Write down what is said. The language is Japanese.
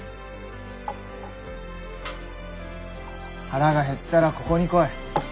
腹が減ったらここに来い。